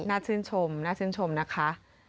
น่าชื่นชมน่าชื่นชมนะคะ